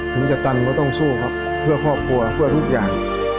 ถึงจะตันก็ต้องสู้ครับเพื่อครอบครัวเพื่อทุกอย่าง